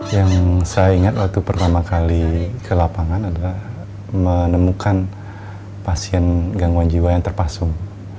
yang saya ingat waktu pertama kali ke lapangan adalah menemukan pasien gangguan jiwa yang terpasung